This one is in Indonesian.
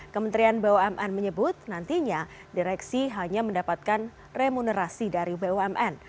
kementerian bumn menyebut nantinya direksi hanya mendapatkan remunerasi dari bumn